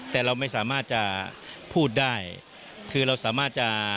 แต่เราไม่สามารถจะพูดได้คือเราสามารถจะ